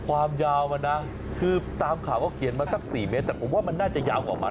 ความยาวมันนะคือตามข่าวก็เขียนมาสัก๔เมตรแต่ผมว่ามันน่าจะยาวกว่ามัน